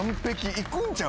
いくんちゃう？